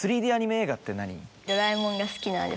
『ドラえもん』が好きなので。